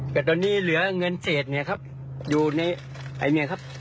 แต่ตอนนี้เหลือเงินเศษเนี่ยครับอยู่ในไอเมียครับ